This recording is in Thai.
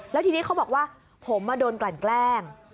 แล้วทีนี้เขาบอกว่าผมโดนกลั่นแกล้ง